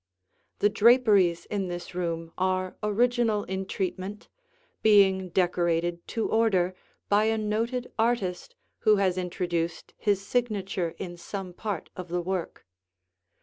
The draperies in this room are original in treatment, being decorated to order by a noted artist who has introduced his signature in some part of the work.